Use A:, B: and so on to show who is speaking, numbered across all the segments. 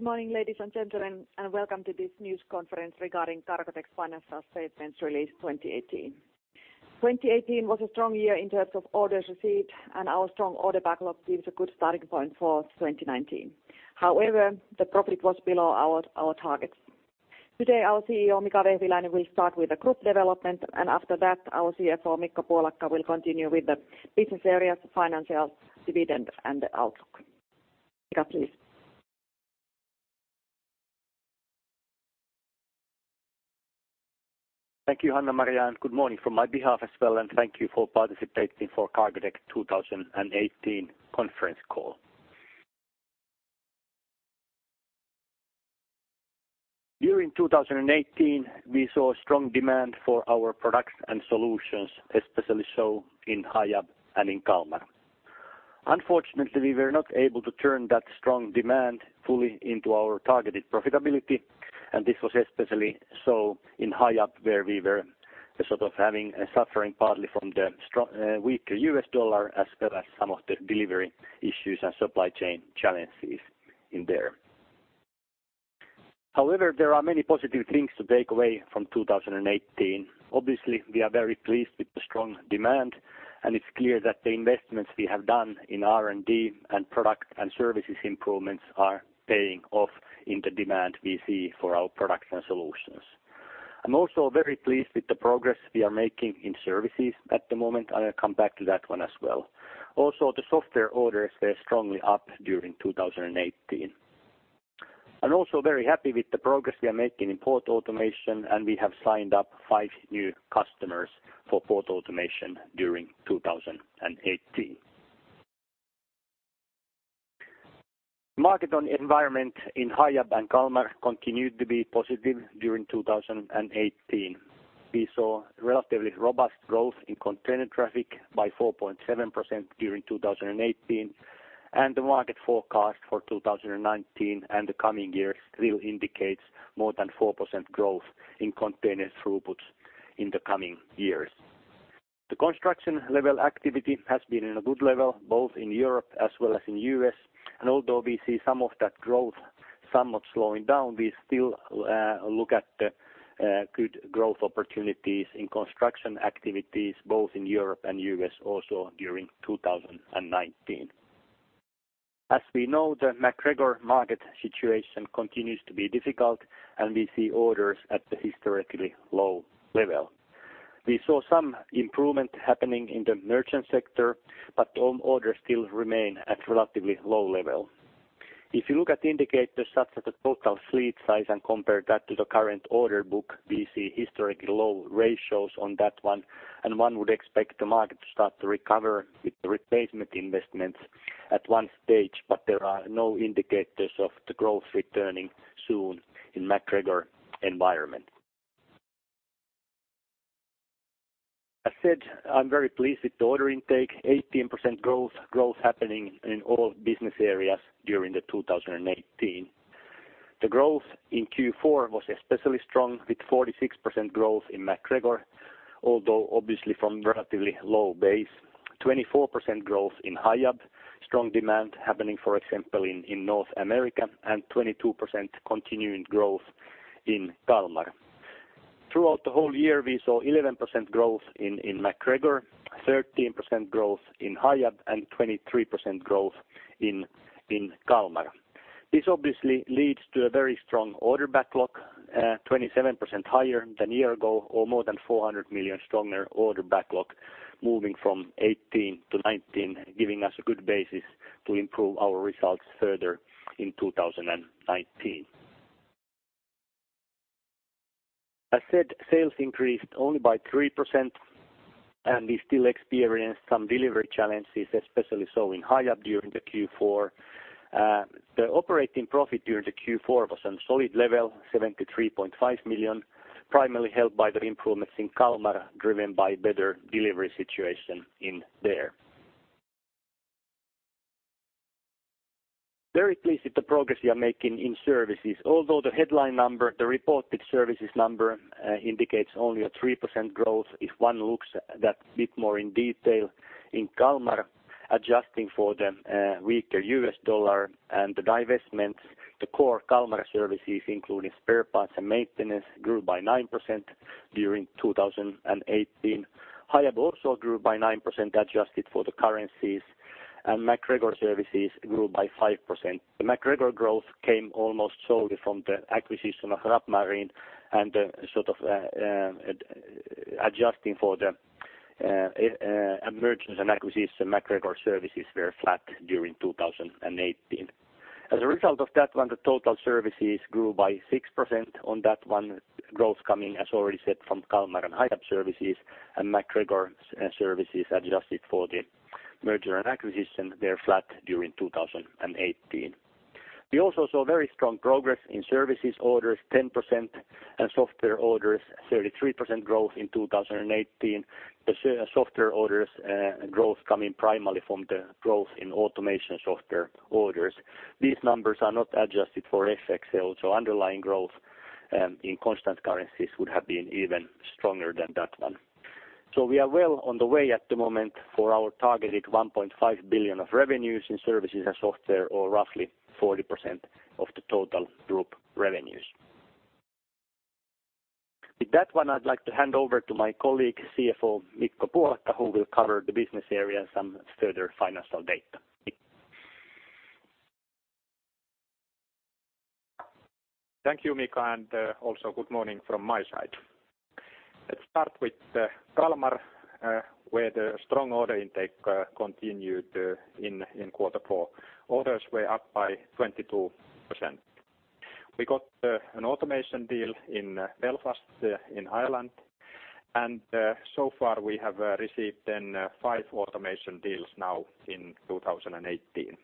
A: Good morning, ladies and gentlemen, and welcome to this news conference regarding Cargotec's Financial Statements Released 2018. 2018 was a strong year in terms of orders received and our strong order backlog gives a good starting point for 2019. However, the profit was below our targets. Today, our CEO, Mika Vehviläinen, will start with the group development. After that, our CFO, Mikko Puolakka, will continue with the business areas, financials, dividend, and the outlook. Mika, please.
B: Thank you, Hanna-Maria. Good morning from my behalf as well. Thank you for participating for Cargotec 2018 conference call. During 2018, we saw strong demand for our products and solutions, especially so in Hiab and in Kalmar. Unfortunately, we were not able to turn that strong demand fully into our targeted profitability, and this was especially so in Hiab, where we were sort of having and suffering partly from the weak U.S. dollar as well as some of the delivery issues and supply chain challenges in there. However, there are many positive things to take away from 2018. Obviously, we are very pleased with the strong demand, and it's clear that the investments we have done in R&D and product and services improvements are paying off in the demand we see for our products and solutions. I'm also very pleased with the progress we are making in services at the moment. I will come back to that one as well. The software orders were strongly up during 2018. I'm also very happy with the progress we are making in port automation. We have signed up five new customers for port automation during 2018. Market on environment in Hiab and Kalmar continued to be positive during 2018. We saw relatively robust growth in container traffic by 4.7% during 2018. The market forecast for 2019 and the coming years still indicates more than 4% growth in container throughput in the coming years. The construction level activity has been in a good level, both in Europe as well as in U.S. Although we see some of that growth somewhat slowing down, we still look at the good growth opportunities in construction activities both in Europe and U.S. also during 2019. As we know, the MacGregor market situation continues to be difficult, and we see orders at the historically low level. We saw some improvement happening in the merchant sector, but orders still remain at relatively low level. If you look at indicators such as the total fleet size and compare that to the current order book, we see historically low ratios on that one, and one would expect the market to start to recover with the replacement investments at one stage. There are no indicators of the growth returning soon in MacGregor environment. As said, I'm very pleased with the order intake. 18% growth happening in all business areas during 2018. The growth in Q4 was especially strong with 46% growth in MacGregor, although obviously from relatively low base. 24% growth in Hiab, strong demand happening, for example, in North America, and 22% continuing growth in Kalmar. Throughout the whole year, we saw 11% growth in MacGregor, 13% growth in Hiab, and 23% growth in Kalmar. This obviously leads to a very strong order backlog, 27% higher than year-ago or more than 400 million stronger order backlog moving from 2018-2019, giving us a good basis to improve our results further in 2019. As said, sales increased only by 3%, and we still experience some delivery challenges, especially so in Hiab during the Q4. The operating profit during Q4 was on a solid level, 73.5 million, primarily helped by the improvements in Kalmar, driven by a better delivery situation there. Very pleased with the progress we are making in services. Although the headline number, the reported services number, indicates only a 3% growth, if one looks a bit more in detail in Kalmar, adjusting for the weaker U.S dollar and the divestment, the core Kalmar services, including spare parts and maintenance, grew by 9% during 2018. Hiab also grew by 9% adjusted for the currencies, MacGregor services grew by 5%. The MacGregor growth came almost solely from the acquisition of Rapp Marine, the sort of adjusting for the emergence and acquisition, MacGregor services were flat during 2018. As a result of that one, the total services grew by 6% on that one. Growth coming, as already said, from Kalmar and Hiab services and MacGregor services adjusted for the merger and acquisition. They're flat during 2018. We also saw very strong progress in services orders, 10%, and software orders, 33% growth in 2018. The software orders growth coming primarily from the growth in automation software orders. These numbers are not adjusted for FX. Underlying growth in constant currencies would have been even stronger than that one. We are well on the way at the moment for our targeted 1.5 billion of revenues in services and software or roughly 40% of the total group revenues. With that one, I'd like to hand over to my colleague, CFO Mikko Puolakka, who will cover the business area and some further financial data.
C: Thank you, Mika. Also good morning from my side. Let's start with Kalmar, where the strong order intake continued in quarter four. Orders were up by 22%. We got an automation deal in Belfast in Ireland. So far we have received then five automation deals now in 2018.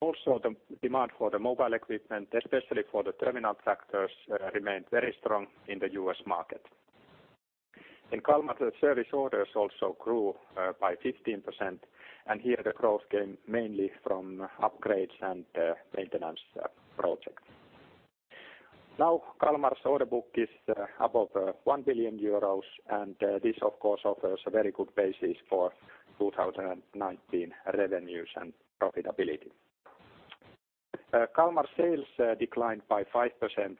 C: Also, the demand for the mobile equipment, especially for the Terminal Tractors, remained very strong in the U.S. market. In Kalmar, the service orders also grew by 15%. Here the growth came mainly from upgrades and maintenance projects. Now Kalmar's order book is about 1 billion euros. This of course offers a very good basis for 2019 revenues and profitability. Kalmar sales declined by 5%.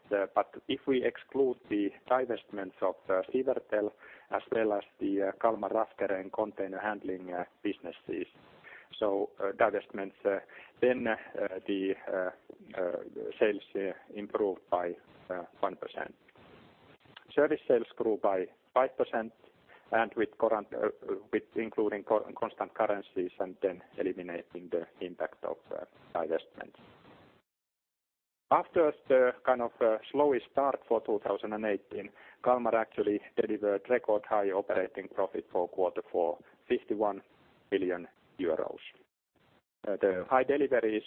C: If we exclude the divestments of the CVS Ferrari as well as the Kalmar Rough Terrain Crane and container handling businesses. Divestments, the sales improved by 1%. Service sales grew by 5% with constant currencies eliminating the impact of divestment. After the kind of slowest start for 2018, Kalmar actually delivered record high operating profit for quarter four, 51 billion euros. The high deliveries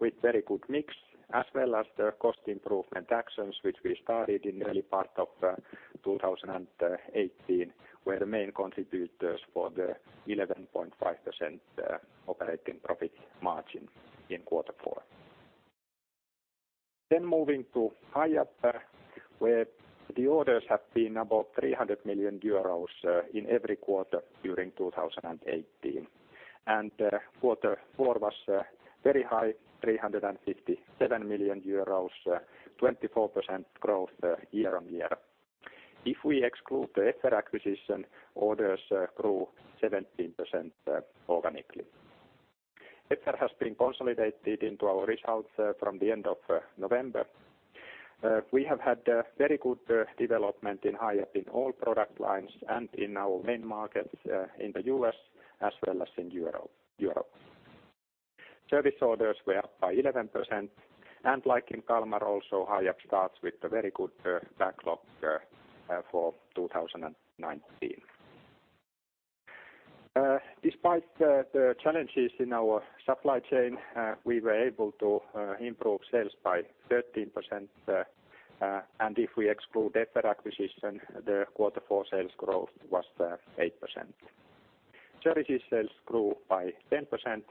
C: with very good mix as well as the cost improvement actions which we started in early part of 2018 were the main contributors for the 11.5% operating profit margin in quarter four. Moving to Hiab, where the orders have been about 300 million euros in every quarter during 2018. Quarter four was very high, 357 million euros, 24% growth year-on-year. If we exclude the Effer acquisition, orders grew 17% organically. Effer has been consolidated into our results from the end of November. We have had very good development in Hiab in all product lines and in our main markets in the U.S. as well as in Europe. Service orders were up by 11% and like in Kalmar also Hiab starts with a very good backlog for 2019. Despite the challenges in our supply chain, we were able to improve sales by 13%, and if we exclude Effer acquisition, the quarter four sales growth was 8%. Services sales grew by 10%,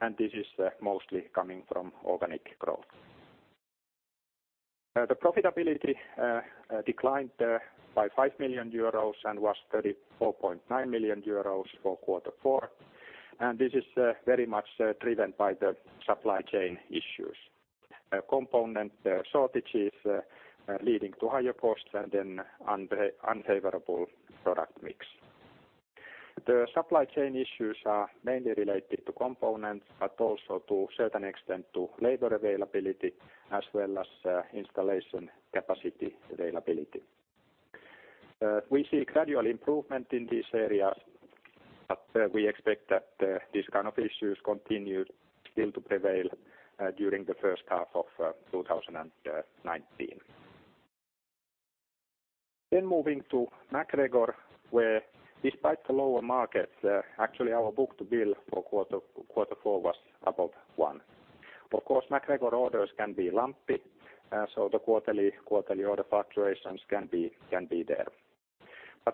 C: and this is mostly coming from organic growth. The profitability declined by 5 million euros and was 34.9 million euros for quarter four, and this is very much driven by the supply chain issues. Component shortages leading to higher costs and then unfavorable product mix. The supply chain issues are mainly related to components, but also to a certain extent to labor availability as well as installation capacity availability. We see gradual improvement in this area. We expect that these kind of issues continue still to prevail during the first half of 2019. Moving to MacGregor, where despite the lower market, actually our book-to-bill for quarter four was above one. Of course, MacGregor orders can be lumpy, so the quarterly order fluctuations can be there.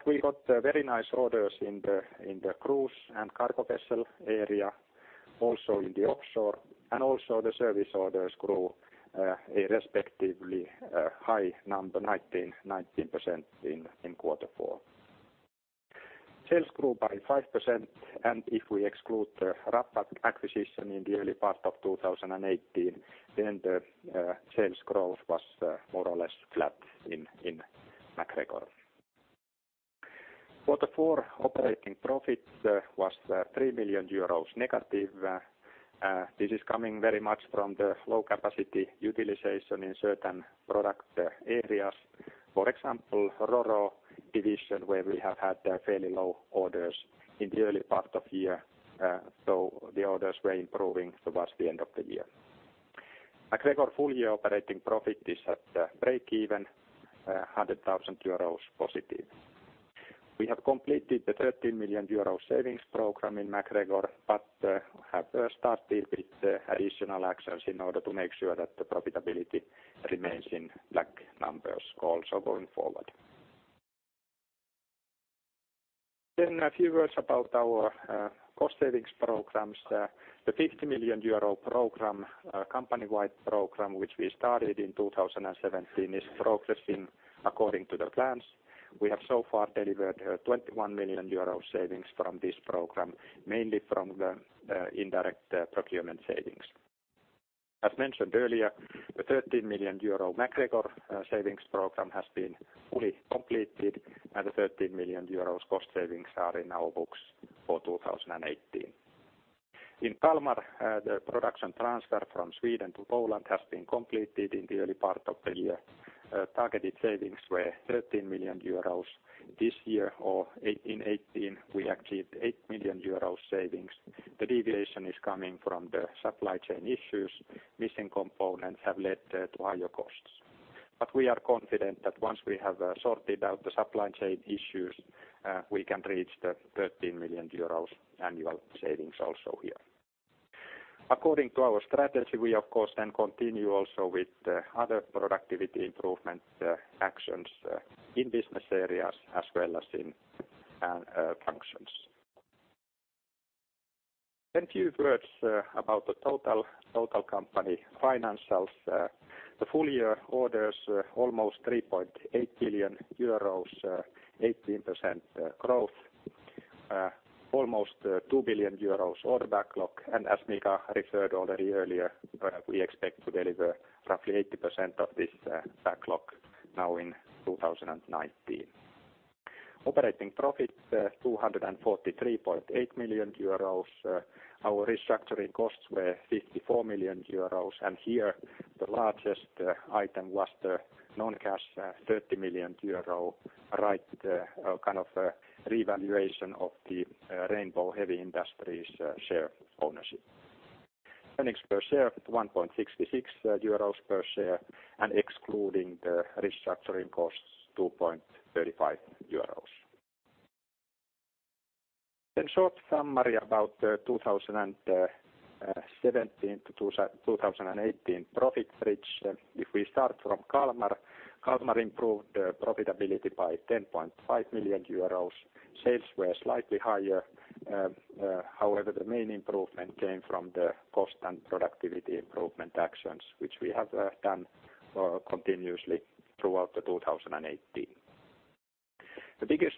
C: We got very nice orders in the cruise and cargo vessel area, also in the offshore, and also the service orders grew a respectively high number 19% in quarter four. Sales grew by 5%. If we exclude the Rappack acquisition in the early part of 2018, the sales growth was more or less flat in MacGregor. Quarter four operating profit was -3 million euros. This is coming very much from the low capacity utilization in certain product areas. For example, RoRo division, where we have had fairly low orders in the early part of year. The orders were improving towards the end of the year. MacGregor full year operating profit is at break even, +100,000 euros. We have completed the 13 million euro savings program in MacGregor, have started with additional actions in order to make sure that the profitability remains in black numbers also going forward. A few words about our cost savings programs. The 50 million euro program, company-wide program, which we started in 2017, is progressing according to the plans. We have so far delivered 21 million euros savings from this program, mainly from the indirect procurement savings. As mentioned earlier, the 13 million euro MacGregor savings program has been fully completed, and the 13 million euros cost savings are in our books for 2018. In Kalmar, the production transfer from Sweden to Poland has been completed in the early part of the year. Targeted savings were 13 million euros this year or in 2018 we achieved 8 million euros savings. The deviation is coming from the supply chain issues. Missing components have led to higher costs. We are confident that once we have sorted out the supply chain issues, we can reach the 13 million euros annual savings also here. According to our strategy, we of course then continue also with other productivity improvement actions in business areas as well as in functions. Few words about the total company financials. The full year orders, almost 3.8 billion euros, 18% growth. Almost 2 billion euros order backlog. As Mika referred already earlier, we expect to deliver roughly 80% of this backlog now in 2019. Operating profit, 243.8 million euros. Our restructuring costs were 54 million euros. Here the largest item was the non-cash 30 million euro right, kind of, revaluation of the Rainbow Heavy Industries share ownership. Earnings per share 1.66 euros per share, and excluding the restructuring costs, 2.35 euros. Short summary about 2017-2018 profit bridge. We start from Kalmar improved profitability by 10.5 million euros. Sales were slightly higher. However, the main improvement came from the cost and productivity improvement actions which we have done continuously throughout 2018. The biggest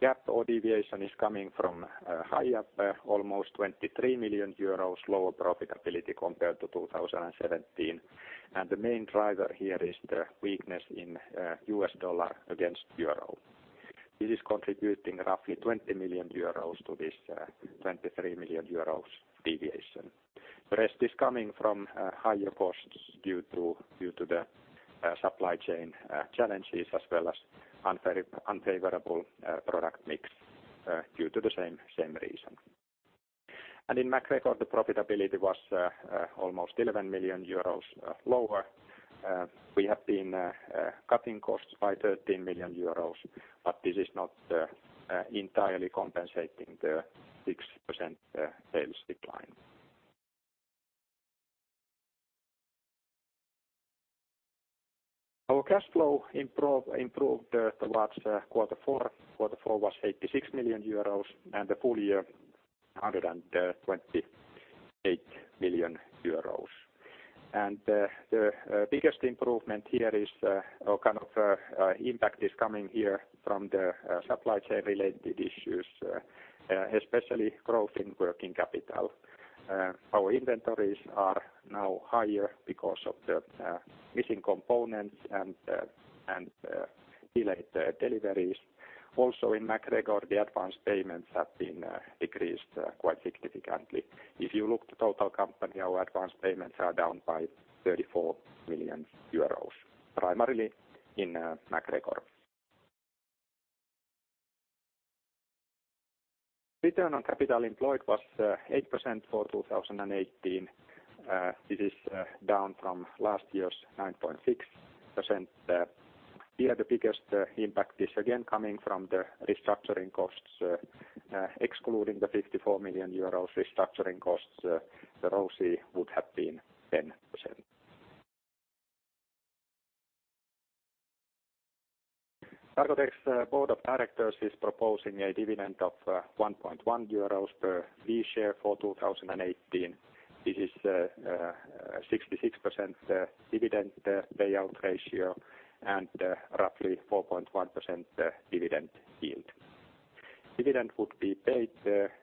C: gap or deviation is coming from Hiab, almost 23 million euros lower profitability compared to 2017. The main driver here is the weakness in U.S. dollar against euro. This is contributing roughly 20 million euros to this 23 million euros deviation. The rest is coming from higher costs due to the supply chain challenges as well as unfavorable product mix due to the same reason. In MacGregor, the profitability was almost 11 million euros lower. We have been cutting costs by 13 million euros, but this is not entirely compensating the 6% sales decline. Our cash flow improved towards quarter four. Quarter four was 86 million euros, and the full year, 128 million euros. The biggest improvement here is or kind of impact is coming here from the supply chain related issues, especially growth in working capital. Our inventories are now higher because of the missing components and delayed deliveries. Also in MacGregor, the advanced payments have been decreased quite significantly. If you look the total company, our advanced payments are down by 34 million euros, primarily in MacGregor. Return on capital employed was 8% for 2018. This is down from last year's 9.6%. Here, the biggest impact is again coming from the restructuring costs. Excluding the 54 million euros restructuring costs, the ROCE would have been 10%. Cargotec's Board of Directors is proposing a dividend of 1.1 euros per B-share for 2018. This is a 66% dividend payout ratio and roughly 4.1% dividend yield. Dividend would be paid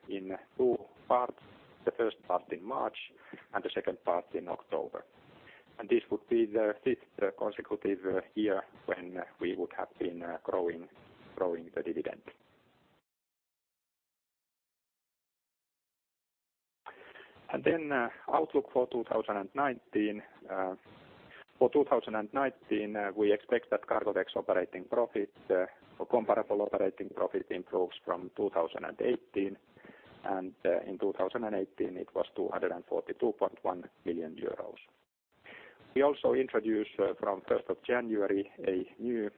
C: in two parts, the first part in March and the second part in October. This would be the fifth consecutive year when we would have been growing the dividend. Outlook for 2019. For 2019, we expect that Cargotec's operating profit or comparable operating profit improves from 2018, in 2018 it was 242.1 million euros. We also introduced, from first of January a new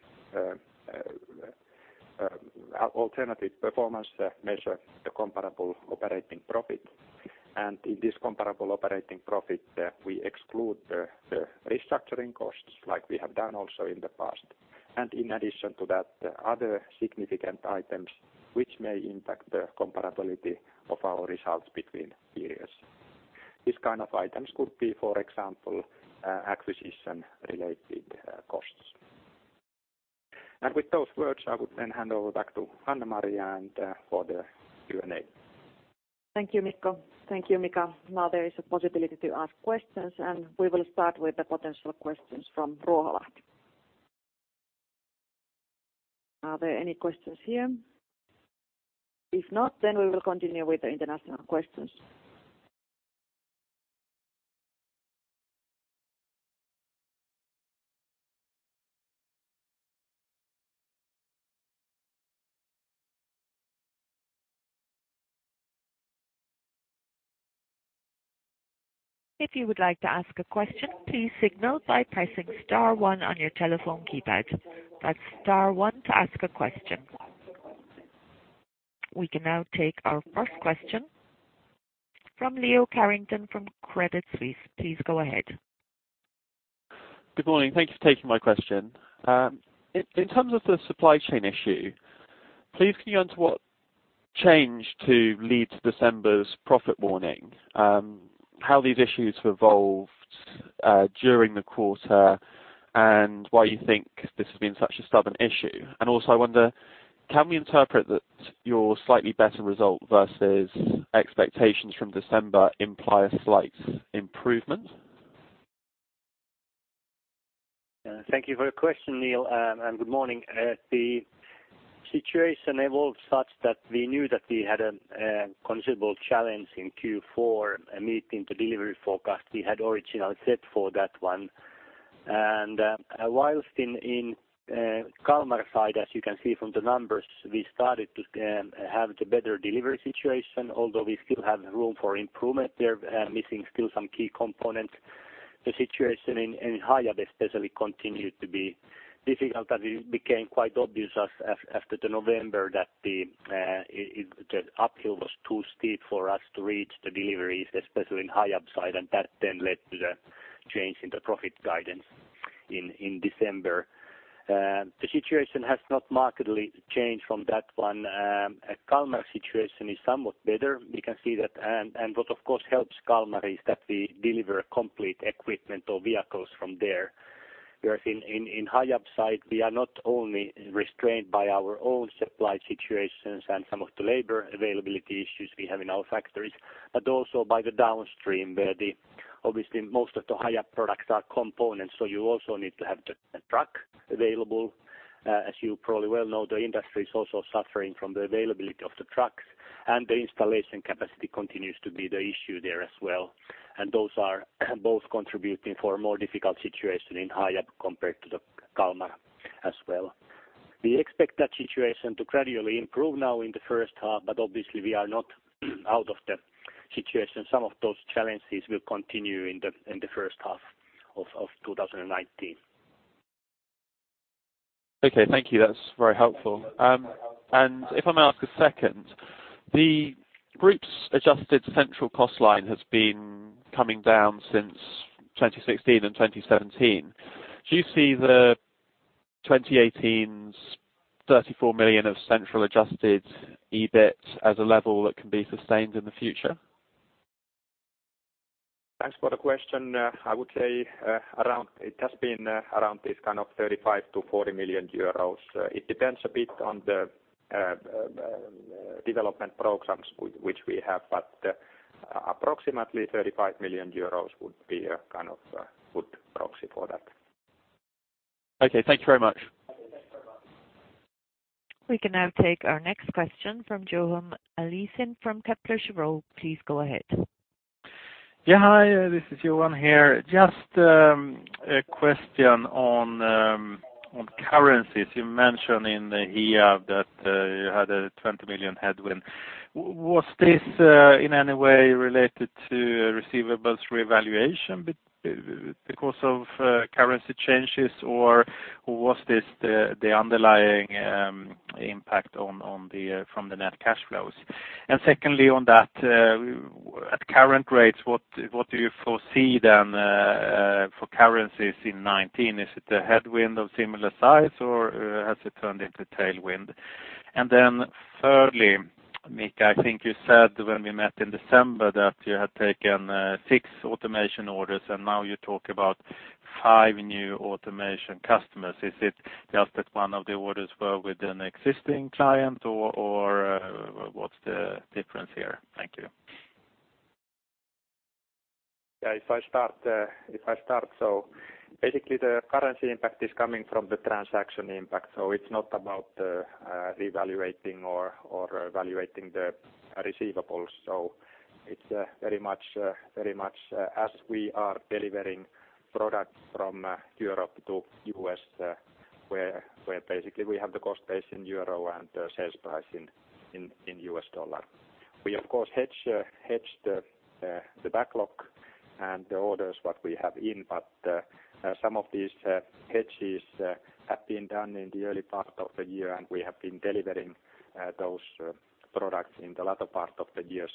C: alternative performance measure, the comparable operating profit. In this comparable operating profit, we exclude the restructuring costs like we have done also in the past. In addition to that, other significant items which may impact the comparability of our results between periods. These kind of items could be, for example, acquisition related costs. With those words, I would then hand over back to Hanna-Maria for the Q&A.
A: Thank you, Mikko. Thank you, Mika. There is a possibility to ask questions. We will start with the potential questions from Ruoholahti. Are there any questions here? If not, we will continue with the international questions. If you would like to ask a question, please signal by pressing star one on your telephone keypad. That's star one to ask a question. We can now take our first question from Leo Carrington from Credit Suisse. Please go ahead.
D: Good morning. Thank you for taking my question. In terms of the supply chain issue, please can you answer what changed to lead to December's profit warning? How these issues have evolved during the quarter and why you think this has been such a stubborn issue? Also I wonder, can we interpret that your slightly better result versus expectations from December imply a slight improvement?
B: Thank you for your question, Leo, and good morning. The situation evolved such that we knew that we had a considerable challenge in Q4, meeting the delivery forecast we had originally set for that one. Whilst in Kalmar side, as you can see from the numbers, we started to have the better delivery situation, although we still have room for improvement there, missing still some key components. The situation in Hiab especially continued to be difficult, and it became quite obvious as, after the November that the uphill was too steep for us to reach the deliveries, especially in Hiab side. That then led to the change in the profit guidance in December. The situation has not markedly changed from that one. Kalmar situation is somewhat better. We can see that. What of course helps Kalmar is that we deliver complete equipment or vehicles from there. Whereas in Hiab side, we are not only restrained by our own supply situations and some of the labor availability issues we have in our factories, but also by the downstream, where obviously, most of the Hiab products are components, so you also need to have the truck available. As you probably well know, the industry is also suffering from the availability of the trucks, and the installation capacity continues to be the issue there as well. Those are both contributing for a more difficult situation in Hiab compared to the Kalmar as well. We expect that situation to gradually improve now in the first half, but obviously we are not out of the situation. Some of those challenges will continue in the first half of 2019.
D: Okay. Thank you. That's very helpful. If I may ask a second, the group's adjusted central cost line has been coming down since 2016 and 2017. Do you see the 2018's 34 million of central Adjusted EBIT as a level that can be sustained in the future?
C: Thanks for the question. I would say, it has been around this kind of 35 million-40 million euros. It depends a bit on the development programs which we have, but approximately 35 million euros would be a kind of good proxy for that.
D: Okay. Thank you very much.
A: We can now take our next question from Johan Eliason from Kepler Cheuvreux. Please go ahead.
E: Hi, this is Johan here. Just a question on currencies. You mentioned in the Hiab that you had a 20 million headwind. Was this in any way related to receivables revaluation because of currency changes, or was this the underlying impact on the from the net cash flows? Secondly on that, at current rates, what do you foresee for currencies in 2019? Is it a headwind of similar size, or has it turned into tailwind? Thirdly, Mika, I think you said when we met in December that you had taken six automation orders, and now you talk about five new automation customers. Is it just that one of the orders were with an existing client or what's the difference here? Thank you.
C: If I start. Basically the currency impact is coming from the transaction impact, so it's not about revaluating or valuating the receivables. It's very much, very much as we are delivering products from Europe to U.S., where basically we have the cost base in EUR and the sales price in U.S. dollar. We of course hedge the backlog and the orders what we have in, but some of these hedges have been done in the early part of the year, and we have been delivering those products in the latter part of the year.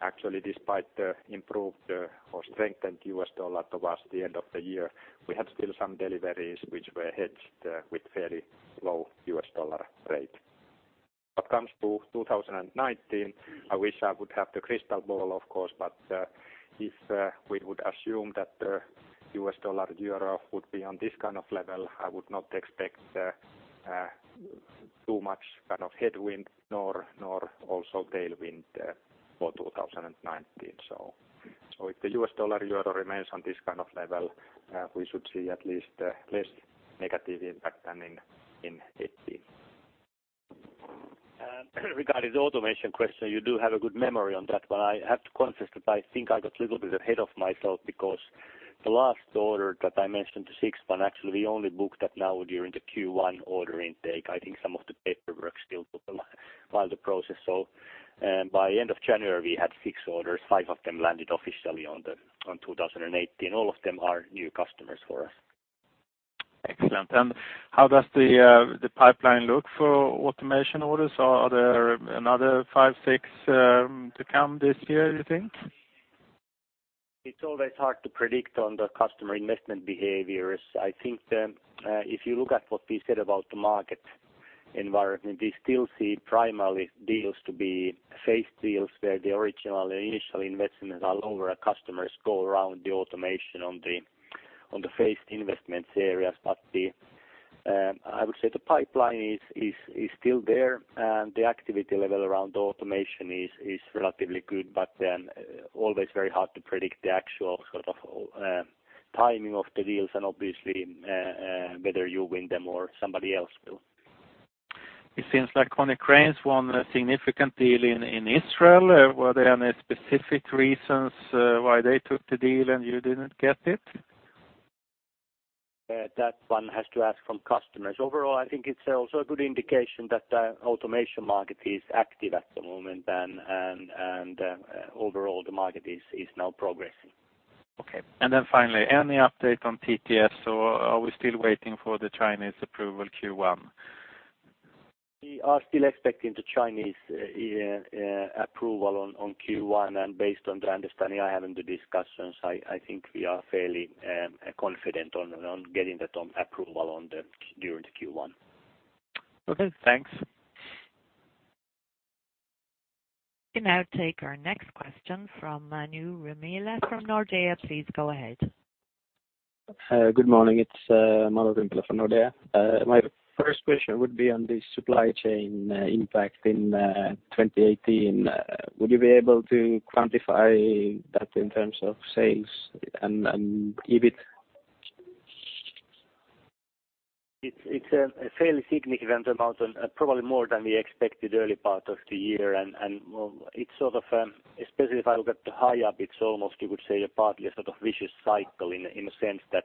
C: Actually despite the improved or strengthened U.S. dollar towards the end of the year, we have still some deliveries which were hedged with fairly low U.S. dollar rate.
B: What comes to 2019, I wish I would have the crystal ball of course, if we would assume that the U.S. dollar euro would be on this kind of level, I would not expect too much kind of headwind nor also tailwind for 2019. If the U.S. dollar euro remains on this kind of level, we should see at least less negative impact than in 2018. Regarding the automation question, you do have a good memory on that one. I have to confess that I think I got a little bit ahead of myself because the last order that I mentioned, the sixth one, actually we only booked that now during the Q1 order intake. I think some of the paperwork still took a while to process. By end of January, we had six orders. Five of them landed officially on 2018. All of them are new customers for us.
E: Excellent. How does the pipeline look for automation orders? Are there another five, six to come this year, you think?
B: It's always hard to predict on the customer investment behaviors. I think, if you look at what we said about the market environment, we still see primarily deals to be phased deals where the original initial investments are lower as customers go around the automation on the phased investments areas. I would say the pipeline is still there, and the activity level around automation is relatively good. Always very hard to predict the actual sort of, timing of the deals and obviously, whether you win them or somebody else will.
E: It seems like Konecranes won a significant deal in Israel. Were there any specific reasons why they took the deal and you didn't get it?
B: That one has to ask from customers. Overall, I think it's also a good indication that the automation market is active at the moment and overall the market is now progressing.
E: Okay. Finally, any update on TTS or are we still waiting for the Chinese approval Q1?
B: We are still expecting the Chinese approval on Q1. Based on the understanding I have in the discussions, I think we are fairly confident on getting that approval during the Q1.
E: Okay, thanks.
A: We'll now take our next question from Mikael Doepel from Nordea. Please go ahead.
F: Good morning. It's Mikael Doepel from Nordea. My first question would be on the supply chain impact in 2018. Would you be able to quantify that in terms of sales and EBIT?
B: It's a fairly significant amount and probably more than we expected early part of the year. It's sort of, especially if I look at the Hiab, it's almost you would say partly a sort of vicious cycle in a sense that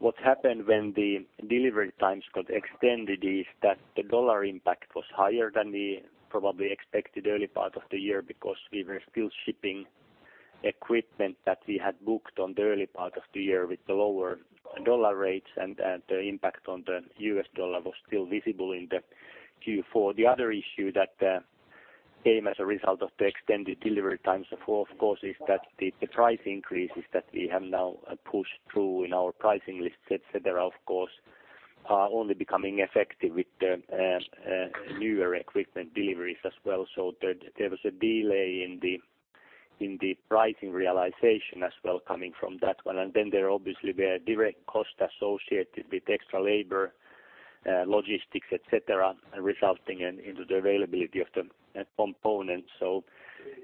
B: What happened when the delivery times got extended is that the dollar impact was higher than we probably expected early part of the year because we were still shipping equipment that we had booked on the early part of the year with the lower dollar rates. The impact on the U.S. dollar was still visible in the Q4. The other issue that came as a result of the extended delivery times of course is that the price increases that we have now pushed through in our pricing list, et cetera, of course, are only becoming effective with the newer equipment deliveries as well. There, there was a delay in the pricing realization as well coming from that one. Then there obviously were direct costs associated with extra labor, logistics, et cetera, resulting into the availability of the components.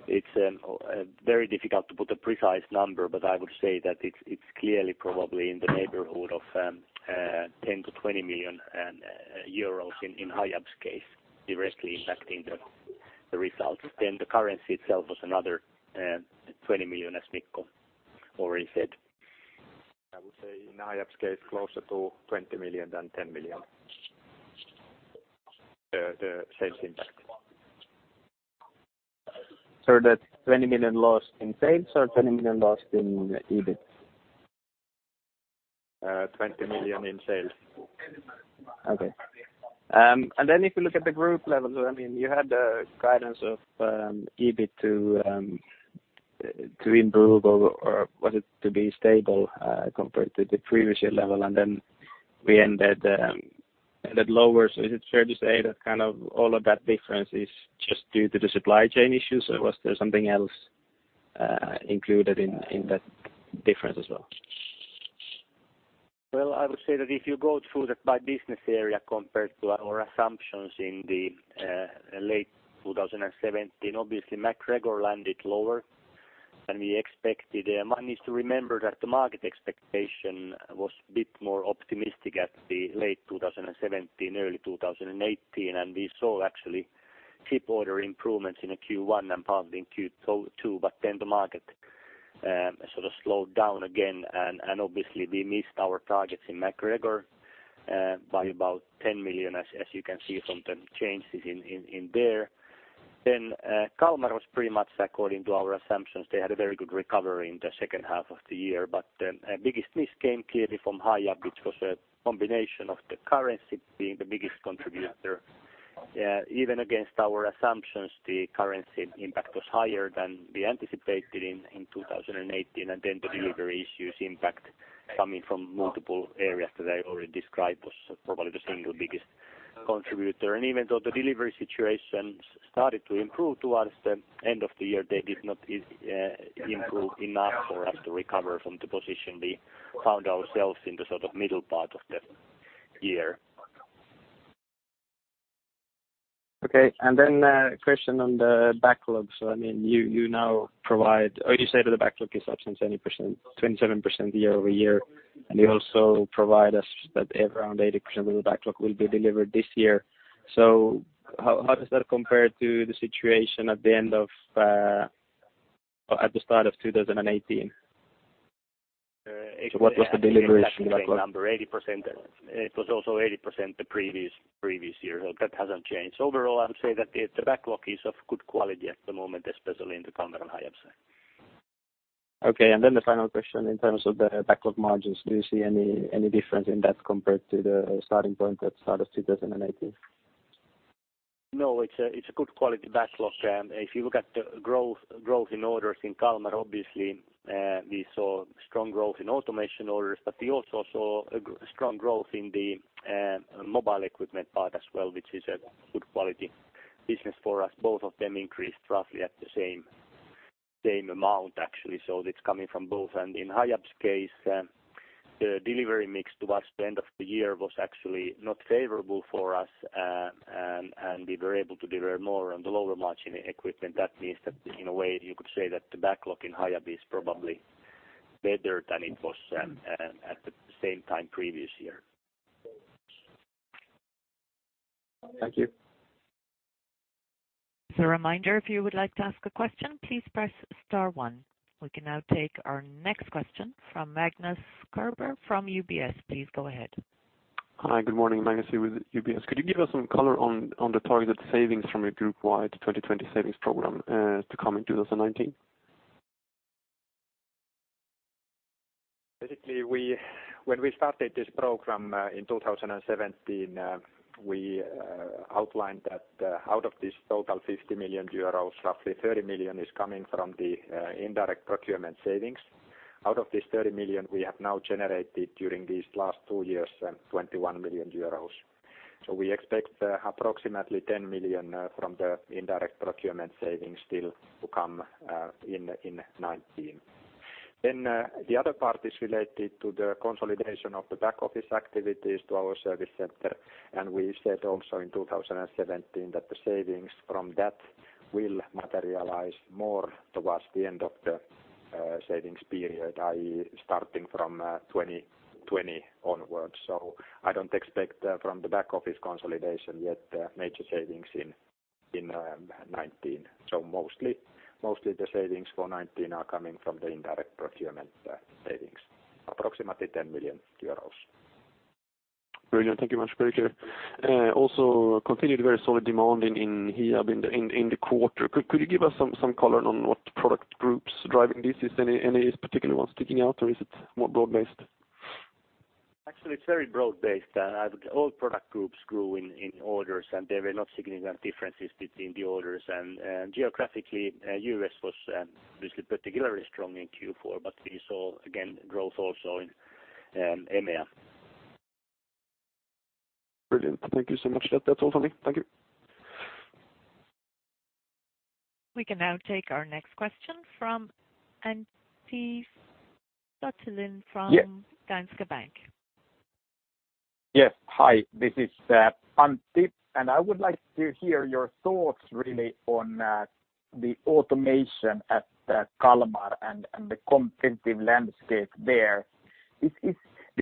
B: It's very difficult to put a precise number, but I would say that it's clearly probably in the neighborhood of 10 million-20 million euros in Hiab's case, directly impacting the results. The currency itself was another 20 million, as Mikko already said. I would say in Hiab's case, closer to 20 million than 10 million, the sales impact.
F: That's 20 million loss in sales or 20 million loss in EBIT?
B: 20 million in sales.
F: Okay. If you look at the group level, I mean, you had a guidance of EBIT to improve or was it to be stable, compared to the previous year level, then we ended lower. Is it fair to say that kind of all of that difference is just due to the supply chain issues, or was there something else included in that difference as well?
B: Well, I would say that if you go through that by business area compared to our assumptions in the late 2017, obviously MacGregor landed lower than we expected. One needs to remember that the market expectation was a bit more optimistic at the late 2017, early 2018. We saw actually ship order improvements in the Q1 and partly in Q2, but then the market sort of slowed down again. Obviously we missed our targets in MacGregor by about 10 million, as you can see from the changes in, in there. Kalmar was pretty much according to our assumptions. They had a very good recovery in the second half of the year. Biggest miss came clearly from Hiab, which was a combination of the currency being the biggest contributor. Even against our assumptions, the currency impact was higher than we anticipated in 2018, the delivery issues impact coming from multiple areas that I already described was probably the single biggest contributor. Even though the delivery situations started to improve towards the end of the year, they did not improve enough for us to recover from the position we found ourselves in the sort of middle part of the year.
F: Okay. A question on the backlogs. I mean, you now provide or you say that the backlog is up 70%- 27% year-over-year, you also provide us that around 80% of the backlog will be delivered this year. How does that compare to the situation at the end of or at the start of 2018? What was the delivery
B: 80%. It was also 80% the previous year. That hasn't changed. Overall, I'd say that the backlog is of good quality at the moment, especially in the Kalmar and Hiab side.
F: Okay. Then the final question in terms of the backlog margins, do you see any difference in that compared to the starting point at start of 2018?
B: No, it's a good quality backlog. If you look at the growth in orders in Kalmar, obviously, we saw strong growth in automation orders, but we also saw a strong growth in the mobile equipment part as well, which is a good quality business for us. Both of them increased roughly at the same amount, actually. It's coming from both. In Hiab's case, the delivery mix towards the end of the year was actually not favorable for us. And we were able to deliver more on the lower margin equipment. That means that in a way you could say that the backlog in Hiab is probably better than it was at the same time previous year.
F: Thank you.
A: As a reminder, if you would like to ask a question, please press star one. We can now take our next question from Magnus Kruber from UBS. Please go ahead.
G: Hi. Good morning, Magnus here with UBS. Could you give us some color on the targeted savings from your group-wide to 2020 savings program to come in 2019?
C: Basically, when we started this program, in 2017, we outlined that out of this total 50 million euros, roughly 30 million is coming from the indirect procurement savings. Out of this 30 million, we have now generated during these last two years, 21 million euros. We expect approximately 10 million from the indirect procurement savings still to come in 2019. The other part is related to the consolidation of the back office activities to our service center. We said also in 2017 that the savings from that will materialize more towards the end of the savings period, i.e., starting from 2020 onwards. I don't expect from the back office consolidation yet major savings in 2019.
B: mostly the savings for 2019 are coming from the indirect procurement savings, approximately 10 million euros.
G: Brilliant. Thank you much, Mikko. Also continued very solid demand in Hiab in the quarter. Could you give us some color on what product groups driving this? Is any particular one sticking out or is it more broad-based?
B: Actually, it's very broad-based. All product groups grew in orders. There were no significant differences between the orders. Geographically, U.S. was obviously particularly strong in Q4. We saw again growth also in EMEA.
G: Brilliant. Thank you so much. That, that's all for me. Thank you.
A: We can now take our next question from Antti Suttelin.
H: Yeah.
A: Danske Bank.
H: Yes. Hi, this is Antti. I would like to hear your thoughts really on the automation at Kalmar and the competitive landscape there. Do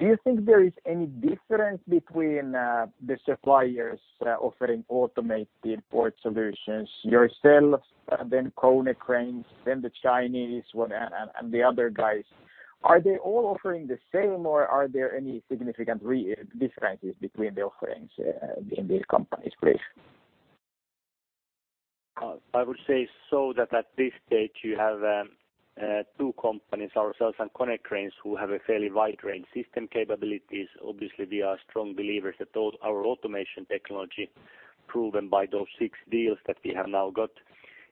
H: you think there is any difference between the suppliers offering automated port solutions yourself, then Konecranes, then the Chinese one and the other guys? Are they all offering the same, or are there any significant differences between the offerings in these companies, please?
B: I would say so that at this stage you have two companies, ourselves and Konecranes, who have a fairly wide range system capabilities. Obviously, we are strong believers that all our automation technology proven by those six deals that we have now got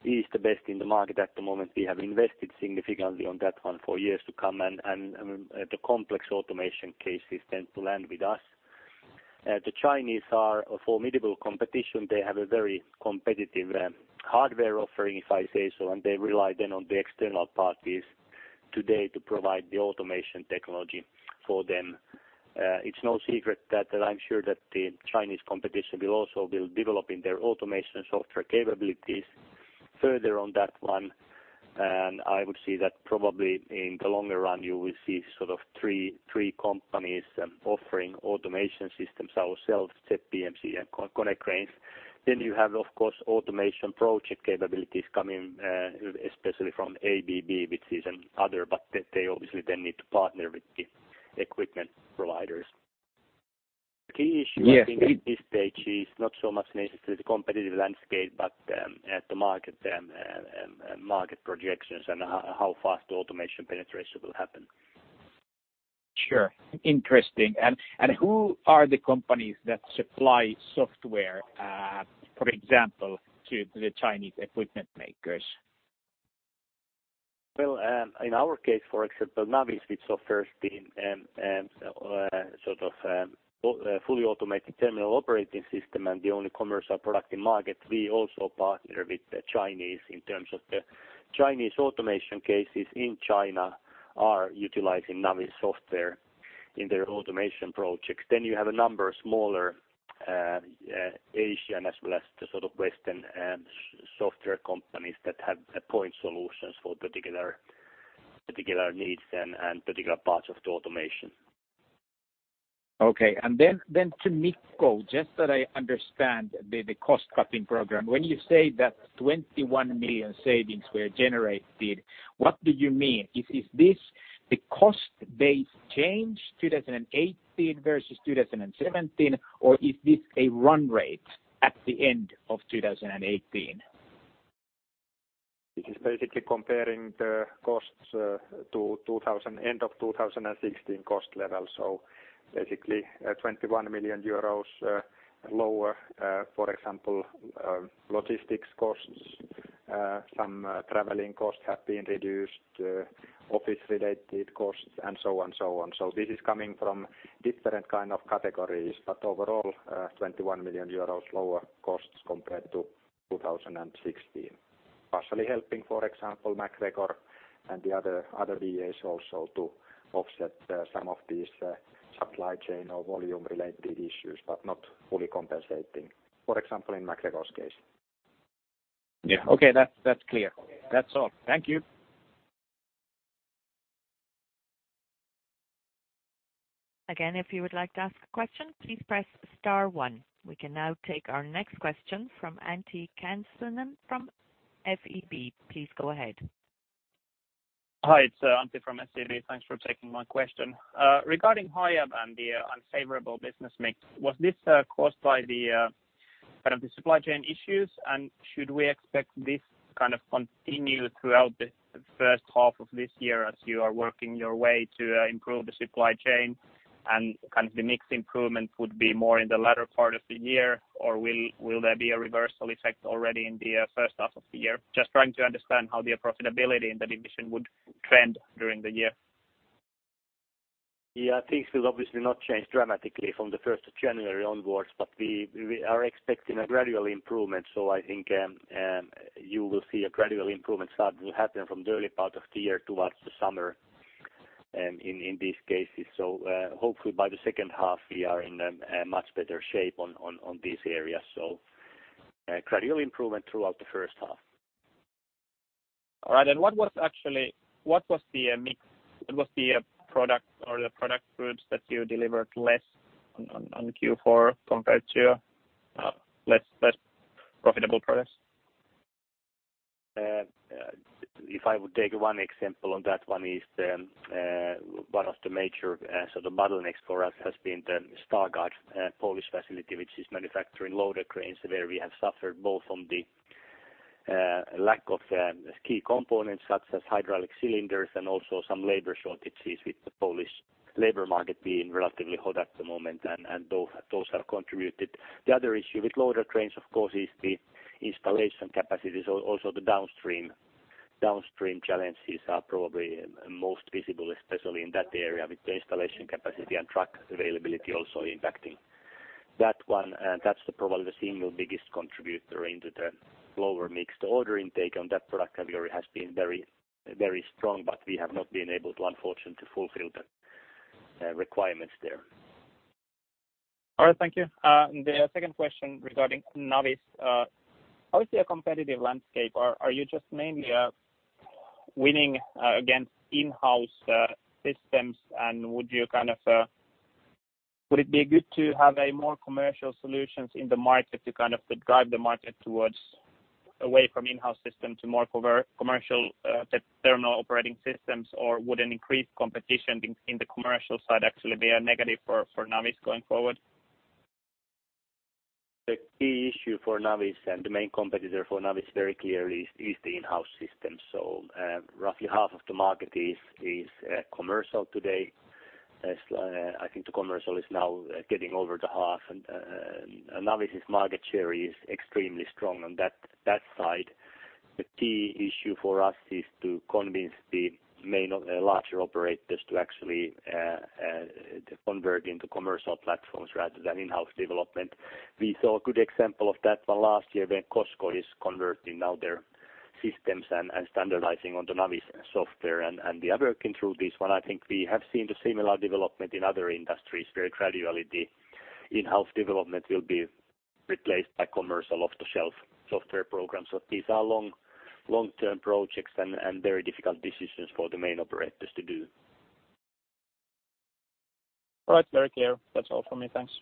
B: is the best in the market at the moment. We have invested significantly on that one for years to come. The complex automation cases tend to land with us. The Chinese are a formidable competition. They have a very competitive hardware offering, if I say so, and they rely then on the external parties today to provide the automation technology for them. It's no secret that I'm sure that the Chinese competition will also be developing their automation software capabilities further on that one. I would say that probably in the longer run, you will see sort of three companies offering automation systems ourselves, ZPMC and Konecranes. You have, of course, automation project capabilities coming especially from ABB, which is an other, but they obviously then need to partner with the equipment providers.
H: Yes.
B: The key issue I think at this stage is not so much necessarily the competitive landscape, but, at the market projections and how fast automation penetration will happen.
H: Sure. Interesting. Who are the companies that supply software, for example, to the Chinese equipment makers?
B: In our case, for example, Navis, which offers the sort of fully automated terminal operating system and the only commercial product in market, we also partner with the Chinese in terms of the Chinese automation cases in China are utilizing Navis software in their automation projects. You have a number of smaller Asian as well as the sort of Western software companies that have point solutions for particular needs and particular parts of the automation.
H: Okay. Then to Mikko, just that I understand the cost-cutting program. When you say that 21 million savings were generated, what do you mean? Is this the cost base change 2018 versus 2017, or is this a run rate at the end of 2018?
C: It is basically comparing the costs to end of 2016 cost level. Basically, 21 million euros lower, for example, logistics costs, some traveling costs have been reduced, office related costs, and so on and so on. This is coming from different kind of categories, but overall, 21 million euros lower costs compared to 2016. Partially helping, for example, MacGregor and the other VAs also to offset some of these supply chain or volume related issues, but not fully compensating, for example, in MacGregor's case.
H: Yeah. Okay. That's, that's clear. That's all. Thank you.
A: Again, if you would like to ask a question, please press star one. We can now take our next question from Antti Kansanen from SEB. Please go ahead.
I: Hi. It's Antti Kansanen from SEB. Thanks for taking my question. Regarding Hiab and the unfavorable business mix, was this caused by the kind of the supply chain issues? Should we expect this kind of continue throughout the first half of this year as you are working your way to improve the supply chain? Kind of the mix improvement would be more in the latter part of the year, or will there be a reversal effect already in the first half of the year? Just trying to understand how the profitability in the division would trend during the year.
B: Things will obviously not change dramatically from the 1st of January onwards, but we are expecting a gradual improvement. I think you will see a gradual improvement start to happen from the early part of the year towards the summer in these cases. Hopefully by the second half we are in a much better shape on this area. Gradual improvement throughout the first half.
I: All right. What was the mix, what was the product or the product groups that you delivered less on Q4 compared to less profitable products?
B: If I would take one example on that one is the one of the major, so the bottleneck for us has been the Stargard, Polish facility, which is manufacturing Loader Cranes, where we have suffered both from the lack of key components such as hydraulic cylinders and also some labor shortages with the Polish labor market being relatively hot at the moment. Those have contributed. The other issue with Loader Cranes, of course, is the installation capacity. Also the downstream challenges are probably most visible, especially in that area, with the installation capacity and truck availability also impacting that one. That's probably the single biggest contributor into the lower mixed order intake on that product category has been very, very strong, but we have not been able to, unfortunately, fulfill the requirements there.
I: All right. Thank you. The second question regarding Navis. How is the competitive landscape? Are you just mainly winning against in-house systems? Would you kind of would it be good to have a more commercial solutions in the market to kind of drive the market towards away from in-house system to more commercial terminal operating systems, or would an increased competition in the commercial side actually be a negative for Navis going forward?
B: The key issue for Navis and the main competitor for Navis very clearly is the in-house system. Roughly half of the market is commercial today. As I think the commercial is now getting over the half, and Navis' market share is extremely strong on that side. The key issue for us is to convince the main larger operators to actually to convert into commercial platforms rather than in-house development. We saw a good example of that one last year when COSCO is converting now their systems and standardizing on the Navis software. They are working through this one. I think we have seen the similar development in other industries, where gradually the in-house development will be replaced by commercial off-the-shelf software programs. these are long, long-term projects and very difficult decisions for the main operators to do.
I: All right. Very clear. That's all from me. Thanks.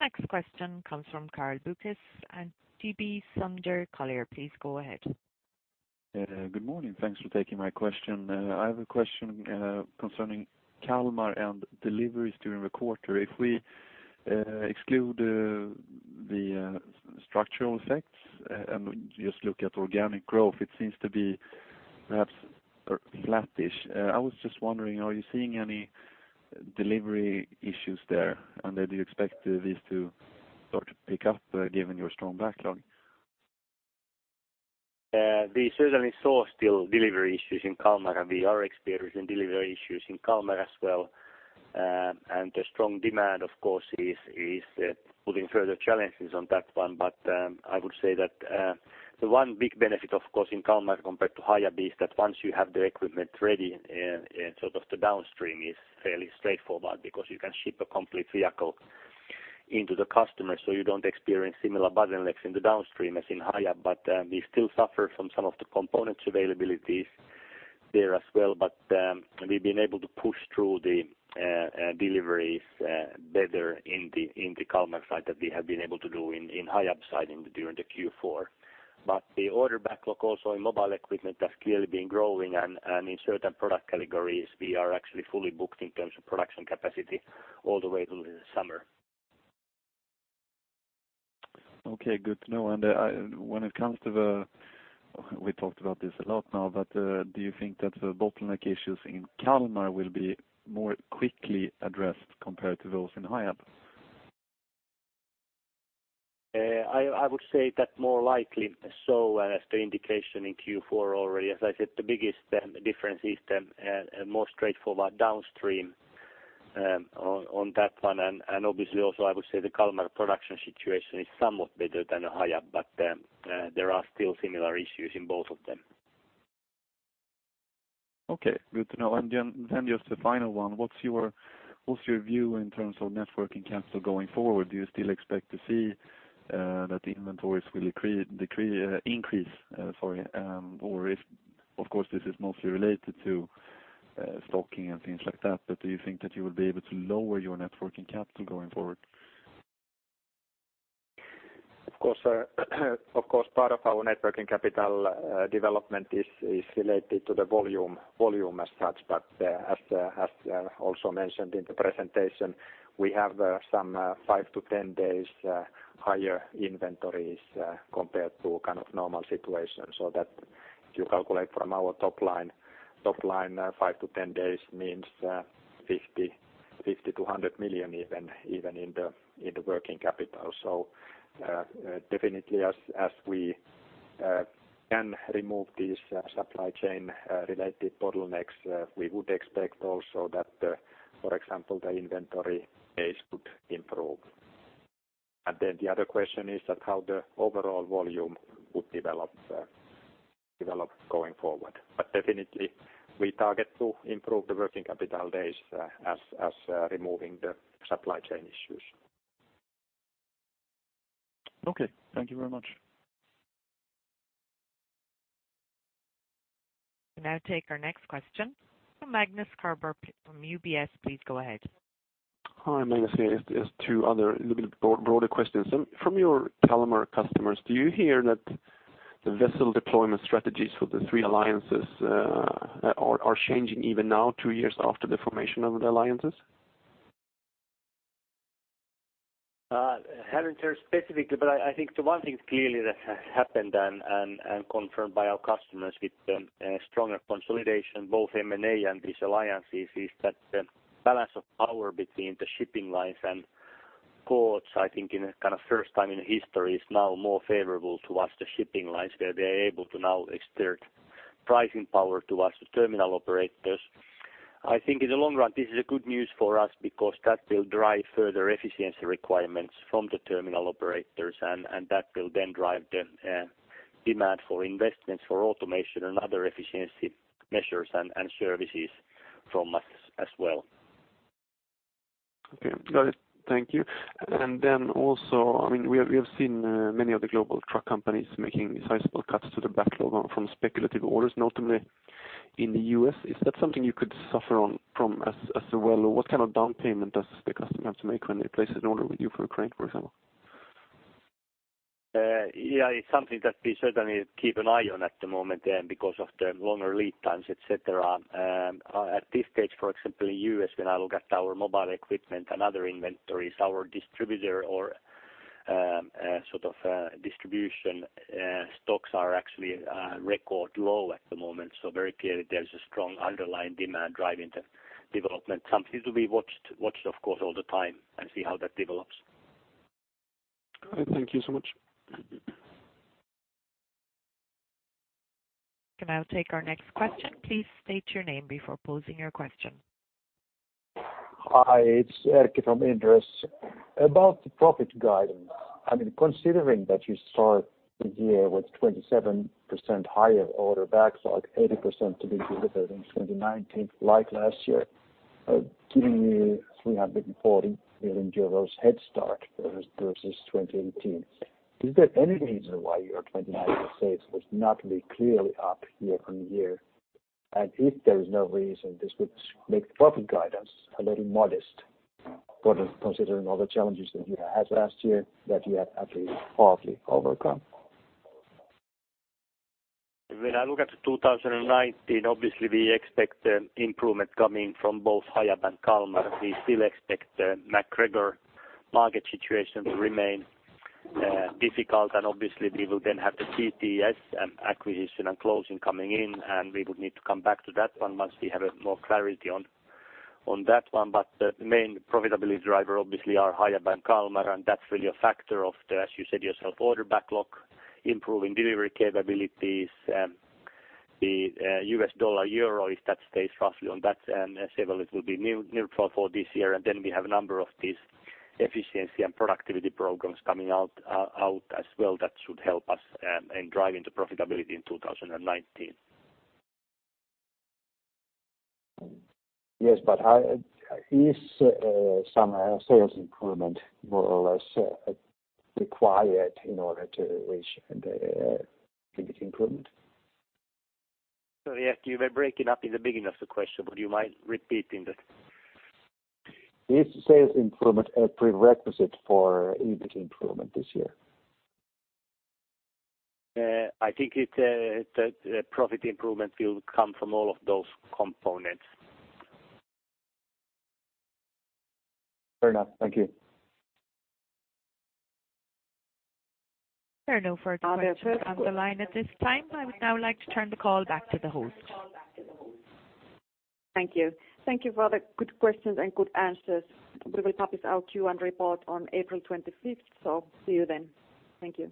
A: Next question comes from Klas Bergelind at ABG Sundal Collier. Please go ahead.
J: Good morning. Thanks for taking my question. I have a question, concerning Kalmar and deliveries during the quarter. If we exclude the structural effects and just look at organic growth, it seems to be
G: Perhaps or flattish. I was just wondering, are you seeing any delivery issues there? Do you expect these to sort of pick up given your strong backlog?
B: We certainly saw still delivery issues in Kalmar, and we are experiencing delivery issues in Kalmar as well. The strong demand, of course, is putting further challenges on that one. I would say that the one big benefit, of course, in Kalmar compared to Hiab is that once you have the equipment ready and sort of the downstream is fairly straightforward because you can ship a complete vehicle into the customer so you don't experience similar bottlenecks in the downstream as in Hiab. We still suffer from some of the components availabilities there as well. We've been able to push through the deliveries better in the Kalmar side than we have been able to do in Hiab side during the Q4. The order backlog also in mobile equipment has clearly been growing and in certain product categories, we are actually fully booked in terms of production capacity all the way through the summer.
G: Okay, good to know. We talked about this a lot now, but, do you think that the bottleneck issues in Kalmar will be more quickly addressed compared to those in Hiab?
B: I would say that more likely so as the indication in Q4 already. As I said, the biggest difference is the more straightforward downstream on that one. Obviously also I would say the Kalmar production situation is somewhat better than Hiab, but there are still similar issues in both of them.
G: Okay, good to know. Then just a final one. What's your view in terms of networking capital going forward? Do you still expect to see that inventories will increase, sorry, or if, of course, this is mostly related to stocking and things like that, but do you think that you will be able to lower your networking capital going forward?
B: Of course, part of our networking capital development is related to the volume as such. As also mentioned in the presentation, we have some five to 10 days higher inventories compared to kind of normal situation. If you calculate from our top line, five to 10 days means 50 million-100 million even in the working capital. Definitely as we can remove these supply chain related bottlenecks, we would expect also that, for example, the inventory days could improve. The other question is that how the overall volume would develop going forward. Definitely we target to improve the working capital days as removing the supply chain issues.
G: Okay, thank you very much.
A: We'll now take our next question. Magnus Kruber from UBS, please go ahead.
G: Hi, Magnus here. Just two other little bit broad, broader questions. From your Kalmar customers, do you hear that the vessel deployment strategies for the three alliances are changing even now, two years after the formation of the alliances?
B: I haven't heard specifically, but I think the one thing clearly that has happened and, and confirmed by our customers with a stronger consolidation, both M&A and these alliances, is that the balance of power between the shipping lines and ports, I think in a, kind of first time in history, is now more favorable towards the shipping lines where they're able to now exert pricing power towards the terminal operators. I think in the long run, this is a good news for us because that will drive further efficiency requirements from the terminal operators and that will then drive the demand for investments for automation and other efficiency measures and services from us as well.
G: Okay. Got it. Thank you. Also, I mean, we have seen, many of the global truck companies making sizable cuts to the backlog from speculative orders, notably in the U.S. Is that something you could suffer on from as well? Or what kind of down payment does the customer have to make when they place an order with you for a crane, for example?
B: Yeah, it's something that we certainly keep an eye on at the moment then because of the longer lead times, et cetera. At this stage, for example, in U.S., when I look at our mobile equipment and other inventories, our distributor or, sort of, distribution stocks are actually record low at the moment. Very clearly there's a strong underlying demand driving the development. Something to be watched, of course, all the time and see how that develops.
G: All right. Thank you so much.
A: We'll now take our next question. Please state your name before posing your question.
K: Hi, it's Erkki from Inderes. About the profit guidance, I mean, considering that you start the year with 27% higher order backlog, 80% to be delivered in 2019 like last year, giving you 340 million euros head start versus 2018. Is there any reason why your 2019 sales would not be clearly up year-on-year? If there is no reason, this would make the profit guidance a little modest considering all the challenges that you had last year that you have at least partly overcome.
B: When I look at the 2019, obviously we expect improvement coming from both higher than Kalmar. We still expect the MacGregor market situation to remain difficult. Obviously we will then have the TTS and acquisition and closing coming in. We would need to come back to that one once we have more clarity on that one. The main profitability driver obviously are higher than Kalmar. That's really a factor of the, as you said yourself, order backlog, improving delivery capabilities, the U.S. dollar/euro, if that stays roughly on that level, it will be neutral for this year. Then we have a number of these efficiency and productivity programs coming out as well that should help us in driving the profitability in 2019.
K: Yes, how Is some sales improvement more or less required in order to reach the EBIT improvement?
B: Sorry, Erkki, you were breaking up in the beginning of the question. Would you mind repeating that?
K: Is sales improvement a prerequisite for EBIT improvement this year?
B: I think it, the profit improvement will come from all of those components.
K: Fair enough. Thank you.
A: There are no further questions on the line at this time. I would now like to turn the call back to the host.
B: Thank you. Thank you for the good questions and good answers. We will publish our Q1 report on April 25th. See you then. Thank you.